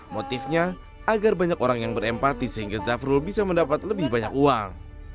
motifnya agar banyak orang yang berempati sehingga zafrul bisa mendapat lebih banyak uang